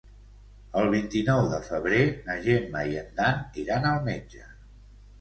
El vint-i-nou de febrer na Gemma i en Dan iran al metge.